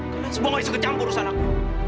kalian semua gak bisa kecampur urusan aku